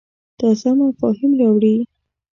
تازه مفاهیم راوړې.